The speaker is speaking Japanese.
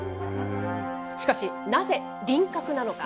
しかし、なぜ輪郭なのか。